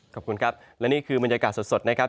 ขอบคุณครับและนี่คือบรรยากาศสดนะครับ